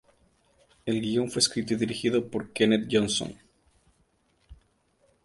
El guion fue escrito y dirigido por Kenneth Johnson.